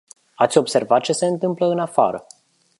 Ați observat ce se întâmplă în afară?